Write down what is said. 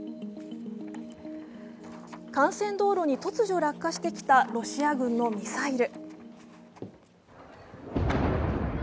幹線道路に突如落下してきたロシア軍のミサイル。